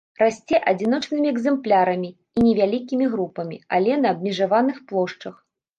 Расце адзіночнымі экземплярамі і невялікімі групамі, але на абмежаваных плошчах.